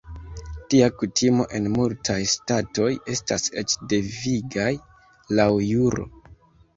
Tia kutimo en multaj ŝtatoj estas eĉ devigaj laŭ juro.